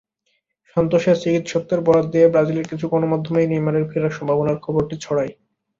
সান্তোসের চিকিত্সকদের বরাত দিয়ে ব্রাজিলের কিছু গণমাধ্যমেই নেইমারের ফেরার সম্ভাবনার খবরটি ছড়ায়।